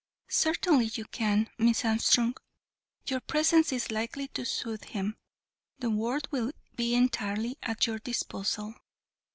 "Certainly you can, Miss Armstrong. Your presence is likely to soothe him. The ward will be entirely at your disposal.